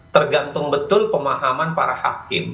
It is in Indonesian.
tergantung betul pemahaman para hakim